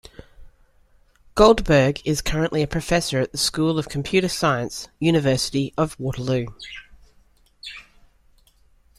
Goldberg is currently a professor at the School of Computer Science, University of Waterloo.